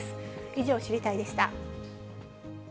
以上、知りたいッ！でした。